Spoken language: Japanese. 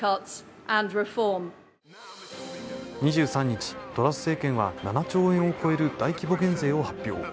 ２３日、トラス政権は７兆円を超える大規模減税を発表。